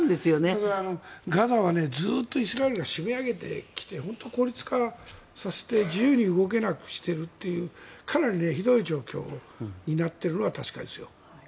ただ、ガザはずっとイスラエルが締め上げてきて自由に動けなくしているというかなりひどい状況になっているのは確かですよ。